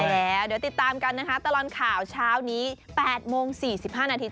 แล้วเดี๋ยวติดตามกันนะคะตลอดข่าวเช้านี้๘โมง๔๕นาที